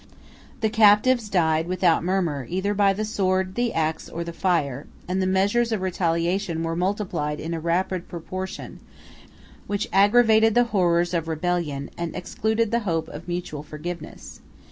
The captives died, without a murmur, either by the sword, the axe, or the fire; and the measures of retaliation were multiplied in a rapid proportion, which aggravated the horrors of rebellion, and excluded the hope of mutual forgiveness.